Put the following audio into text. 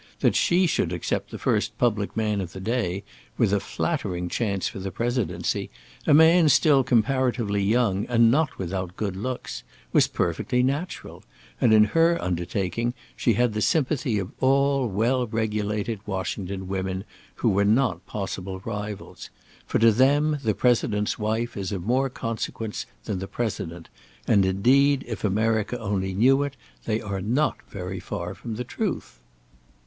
That she should accept the first public man of the day, with a flattering chance for the Presidency a man still comparatively young and not without good looks was perfectly natural, and in her undertaking she had the sympathy of all well regulated Washington women who were not possible rivals; for to them the President's wife is of more consequence than the President; and, indeed, if America only knew it, they are not very far from the truth.